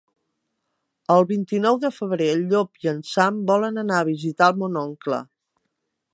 El vint-i-nou de febrer en Llop i en Sam volen anar a visitar mon oncle.